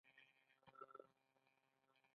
پاسیني جدي شو: حالت له دې ناوړه کېدای نه شي.